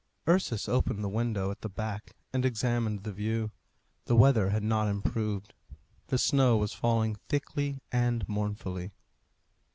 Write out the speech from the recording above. Ursus opened the window at the back and examined the view. The weather had not improved. The snow was falling thickly and mournfully.